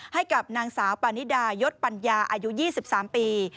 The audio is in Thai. ให้กับนางสาวปานิดายศปัญญาอายุ๒๓ปี